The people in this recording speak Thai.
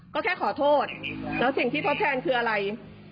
ก็แค่ขอโทษแล้วสิ่งที่ทดแทนคืออะไร